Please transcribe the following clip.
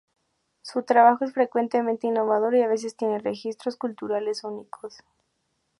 Su trabajo es frecuentemente innovador y a veces tiene registros culturales únicos.